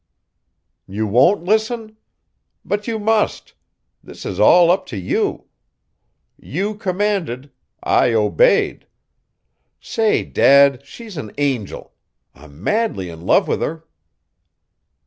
You won't listen? But you must. This is all up to you. You commanded. I obeyed. Say, dad, she's an angel. I'm madly in love with her.